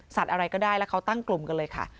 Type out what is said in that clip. อะไรก็ได้แล้วเขาตั้งกลุ่มกันเลยค่ะ